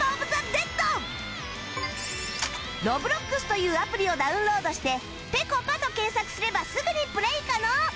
Ｒｏｂｌｏｘ というアプリをダウンロードして「ぺこぱ」と検索すればすぐにプレー可能